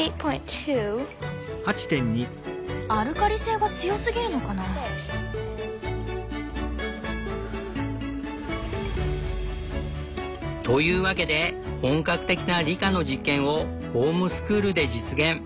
アルカリ性が強すぎるのかな？というわけで本格的な理科の実験をホームスクールで実現。